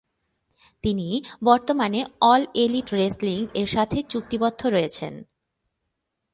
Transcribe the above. তিনি বর্তমানে All Elite Wrestling এর সাথে চুক্তিবদ্ধ রয়েছেন।